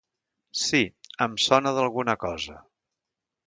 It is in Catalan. Sí, em sona d'alguna cosa.